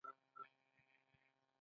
وسله وطن ورانوي